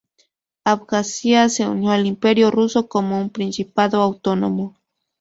Abjasia se unió al Imperio ruso como un principado autónomo.